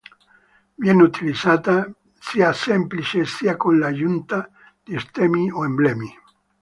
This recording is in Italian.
Viene utilizzata sia semplice, sia con l'aggiunta di stemmi o emblemi.